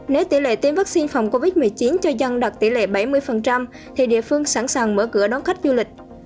nếu tỷ lệ tiêm vaccine phòng covid một mươi chín cho dân đạt tỷ lệ bảy mươi thì địa phương sẵn sàng mở cửa đón khách du lịch